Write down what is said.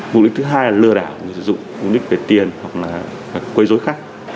mục đích thứ hai là lừa đảo người dùng mục đích về tiền hoặc là quây dối khách